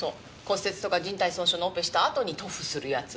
骨折とか靱帯損傷のオペしたあとに塗布するやつ。